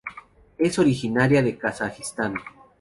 Es originaria de Kazajistán.